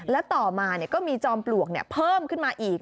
และต่อมาก็มีจอมปลวกเพิ่มขึ้นมาอีก